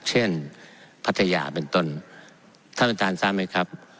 พัทยาเป็นต้นท่านประธานทราบไหมครับ